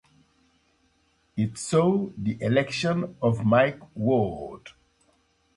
It saw the election of Mike Ward.